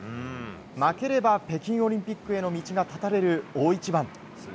負ければ北京オリンピックへの道が絶たれる大一番。